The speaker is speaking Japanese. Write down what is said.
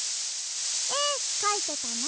えかいてたの？